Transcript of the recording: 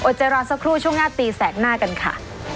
ใจรอสักครู่ช่วงหน้าตีแสกหน้ากันค่ะ